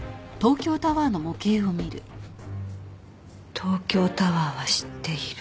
「東京タワーは知っている」。